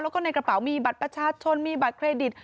แล้วก็ในกระเป๋ามีบัตรประชาชนมีบัตรเครดิต